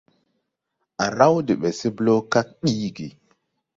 Á raw de ɓɛ se blɔɔ kag ɗiigi.